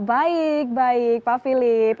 baik baik pak philip